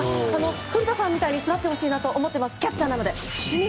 古田さんみたいになってほしいですねキャッチャーなので。